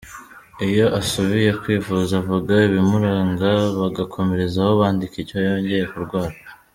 Iyo asubiye kwivuza avuga ibimuranga bagakomerezaho bandika icyo yongeye kurwara.